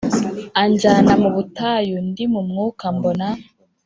Anjyana mu butayu ndi mu Mwuka mbona